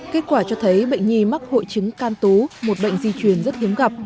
kết quả cho thấy bệnh nhi mắc hội chứng can tú một bệnh di truyền rất hiếm gặp